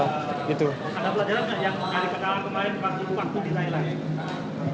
ada pelajaran yang mengalami penanganan kemarin pasti itu waktu di thailand